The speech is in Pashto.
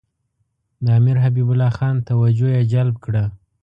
د امیر حبیب الله خان توجه یې جلب کړه.